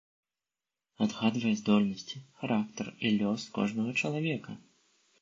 Адгадвае здольнасці, характар і лёс кожнага чалавека!